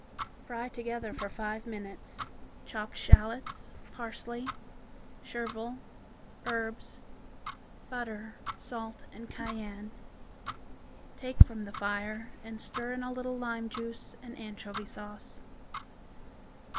Fry together for five minutes, chopped eschalots, parsley, chevril, herbs, butter, salt and cayenne. Take from the fire and stir in a little lime juice and anchovy sauce.